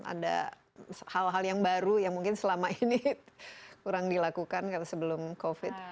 ada hal hal yang baru yang mungkin selama ini kurang dilakukan sebelum covid